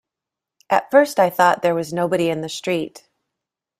At first I thought there was nobody in the street.